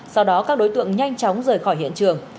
sau đó các đối tượng nhanh chóng rời khỏi hiện trường